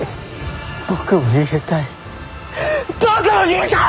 僕も逃げたい。